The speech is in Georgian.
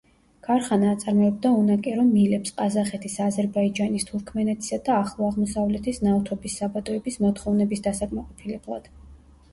ქარხანა აწარმოებდა უნაკერო მილებს ყაზახეთის, აზერბაიჯანის, თურქმენეთისა და ახლო აღმოსავლეთის ნავთობის საბადოების მოთხოვნების დასაკმაყოფილებლად.